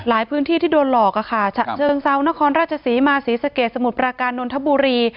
พื้นที่ที่โดนหลอกอะค่ะฉะเชิงเซานครราชศรีมาศรีสะเกดสมุทรปราการนนทบุรี